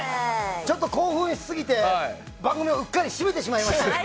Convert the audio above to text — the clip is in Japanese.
ちょっと興奮しすぎて番組をうっかり締めてしまいました。